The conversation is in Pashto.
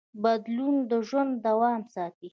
بدلون د ژوند دوام ساتي.